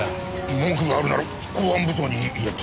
文句があるなら公安部長に言えって。